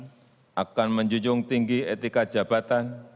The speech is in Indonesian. bahwa saya dalam menjalankan tugas jabatan